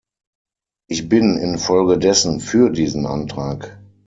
Ich bin infolgedessen für diesen Antrag .